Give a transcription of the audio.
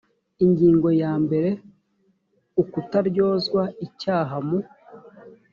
ingingo ya mbere ukutaryozwa icyaha mu